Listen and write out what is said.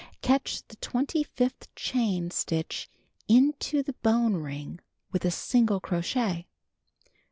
Catch the twenty fifth chain stitch into the bone ring with a single crochet.